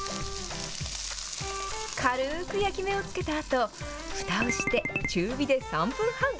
軽く焼き目をつけたあと、ふたをして中火で３分半。